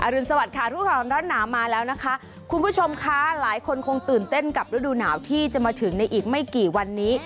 รุนสวัสดิ์รู้ก่อนร้อนหนาวมาแล้วนะคะคุณผู้ชมคะหลายคนคงตื่นเต้นกับฤดูหนาวที่จะมาถึงในอีกไม่กี่วันนี้